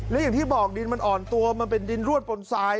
และอย่างที่บอกดินมันอ่อนตัวมันเป็นดินรวดบนทราย